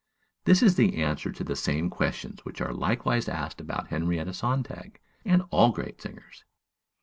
This is the answer to the same questions which are likewise asked about Henrietta Sontag and all great singers.